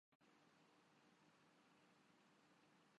یِہ طرح دفاع پر خرچ ہونا والی رقم ملک کرنا